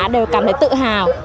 đều cảm thấy tự hào